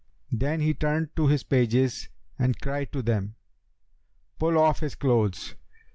Then he turned to his pages and cried to them, 'Pull off his clothes.'